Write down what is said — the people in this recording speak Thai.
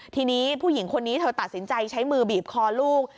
ทีนี้ผู้หญิงคนนี้เธอตัดสินใจใช้มือบีบคอลูก